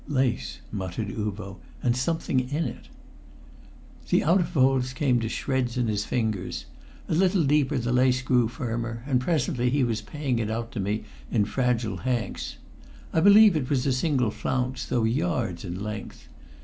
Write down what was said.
"Lace," muttered Uvo, "and something in it." The outer folds came to shreds in his fingers; a little deeper the lace grew firmer, and presently he was paying it out to me in fragile hanks. I believe it was a single flounce, though yards in length.